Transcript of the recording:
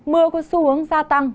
mưa có xu hướng gia tăng